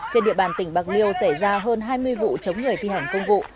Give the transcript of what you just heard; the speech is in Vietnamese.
trên địa bàn tỉnh bạc liêu xảy ra hơn hai mươi vụ chống người thi hành công vụ